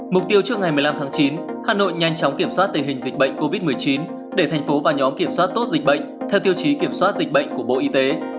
mục tiêu trước ngày một mươi năm tháng chín hà nội nhanh chóng kiểm soát tình hình dịch bệnh covid một mươi chín để thành phố và nhóm kiểm soát tốt dịch bệnh theo tiêu chí kiểm soát dịch bệnh của bộ y tế